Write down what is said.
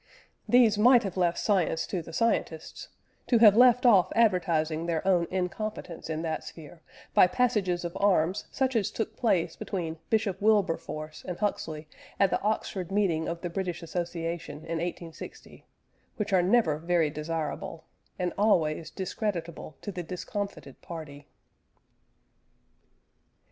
These might have left science to the scientists, to have left off advertising their own incompetence in that sphere by passages of arms such as took place between Bishop Wilberforce and Huxley at the Oxford meeting of the British Association in 1860, which are never very desirable, and always discreditable to the discomfited party.